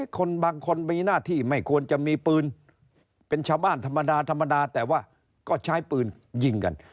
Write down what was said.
คนบางคนมีหน้าที่ไม่ควรจะมีปืนเป็นชาวบ้านธรรมดาธรรมดาแต่ว่าก็ใช้ปืนยิงกัน